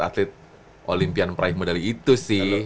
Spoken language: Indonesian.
atlet olimpian peraih medali itu sih